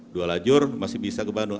dua lajur masih bisa ke bandung